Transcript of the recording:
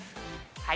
はい